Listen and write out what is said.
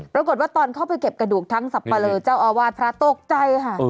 ตอนเข้าไปเก็บกระดูกทั้งสับปะเลอเจ้าอาวาสพระตกใจค่ะ